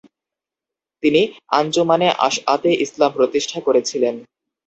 তিনি আঞ্জুমানে আশআতে ইসলাম প্রতিষ্ঠা করেছিলেন।